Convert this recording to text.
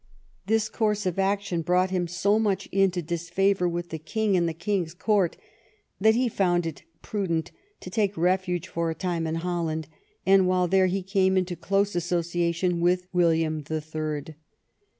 This course of action brought him so much into disfavor with the King and the King's court that he found it prudent to take refuge for a time in Holland, and while there he came into close association with William the Third.